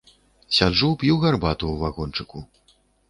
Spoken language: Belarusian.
Сяджу, п'ю гарбату ў вагончыку.